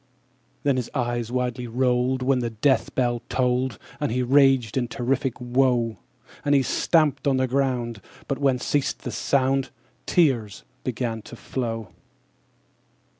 _25 5. Then his eyes wildly rolled, When the death bell tolled, And he raged in terrific woe. And he stamped on the ground, But when ceased the sound, _30 Tears again began to flow.